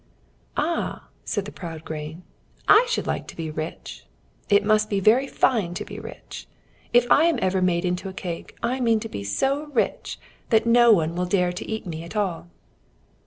'" "Ah!" said the proud grain. "I should like to be rich. It must be very fine to be rich. If I am ever made into cake, I mean to be so rich that no one will dare to eat me at all."